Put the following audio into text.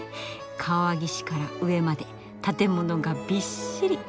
川岸から上まで建物がびっしり。